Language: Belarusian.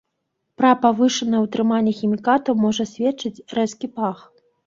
Пра павышанае ўтрыманне хімікатаў можа сведчыць рэзкі пах.